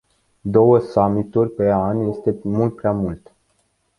Două summituri pe an este mult prea mult.